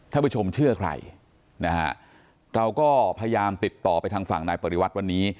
ท่านผู้ชมเชื่อใครนะฮะเราก็พยายามติดต่อไปทางฝั่งนายปริวัติวันนี้